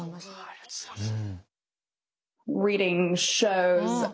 ありがとうございます。